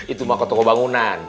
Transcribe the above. itu mau ke toko bangunan